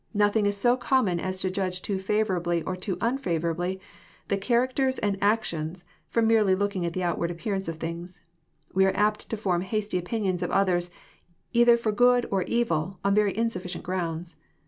Nothing is so common as to judge too favourably or too un favourably of characters and actions, ftom merely looking at the outward appearance of things. We are apt to form hasty opinions of others, either for good or evil, on very insuflScient grounds.